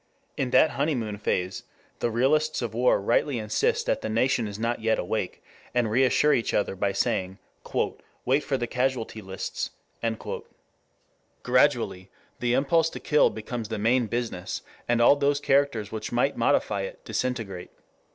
In that honeymoon phase, the realists of war rightly insist that the nation is not yet awake, and reassure each other by saying: "Wait for the casualty lists." Gradually the impulse to kill becomes the main business, and all those characters which might modify it, disintegrate.